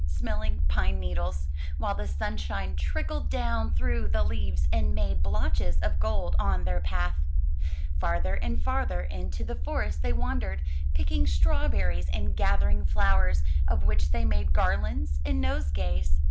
45 MY BOOK HOUSE sweet smelling pine needles, while the sunshine trickled down through the leaves and made blotches of gold on their path. Farther and farther into the forest they wandered, picking straw berries and gathering flowers, of which they made garlands and nosegays.